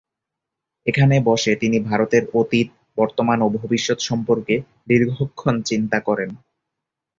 এখানে বসে তিনি ভারতের অতীত, বর্তমান ও ভবিষ্যৎ সম্পর্কে দীর্ঘক্ষণ চিন্তা করেন।